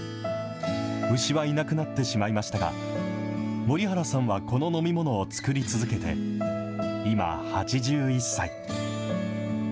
牛はいなくなってしまいましたが、森原さんはこの飲み物を作り続けて今８１歳。